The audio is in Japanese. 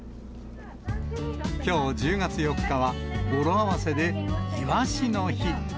きょう１０月４日は、語呂合わせて１０４の日。